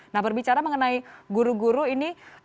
nah berbicara mengenai guru guru ini